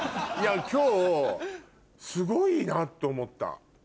今日すごいなっと思った。